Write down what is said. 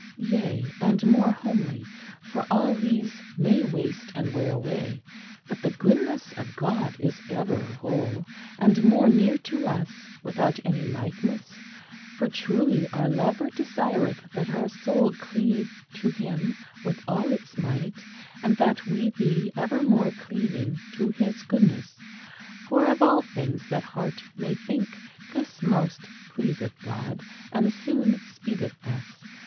Yea, and more homely; for all these may waste and wear away, but the Goodness of God is ever whole; and more near to us without any likeness; for truly our Lover desireth that our soul cleave to Him with all its might, and that we be evermore cleaving to His goodness. For of all things that heart may think, this most pleaseth God, and soonest speedeth us.